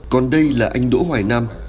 còn đây là anh đỗ hoài nam